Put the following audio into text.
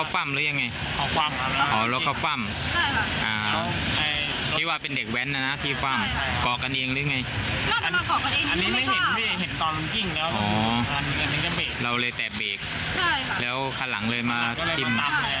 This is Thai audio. พี่ไม่เห็นตอนกิ้งแล้วอ๋อเราเลยแตะเบรกแล้วคันหลังเลยมากิน